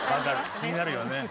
気になるよね。